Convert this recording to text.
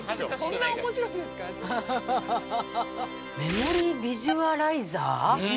メモリービジュアライザー？